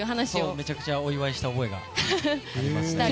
めちゃくちゃお祝いした覚えがありますね。